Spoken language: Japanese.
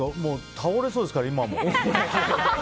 倒れそうですから、今も。